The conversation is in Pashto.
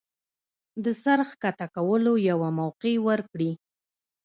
د سر ښکته کولو يوه موقع ورکړي